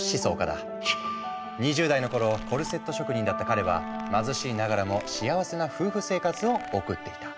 ２０代の頃コルセット職人だった彼は貧しいながらも幸せな夫婦生活を送っていた。